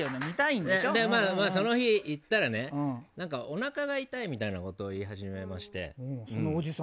その日、行ったらおなかが痛いみたいなことを言い始めまして。